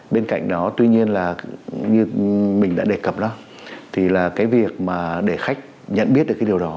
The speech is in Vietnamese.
bên cạnh đó tuy nhiên là như mình đã đề cập đâu thì là cái việc mà để khách nhận biết được cái điều đó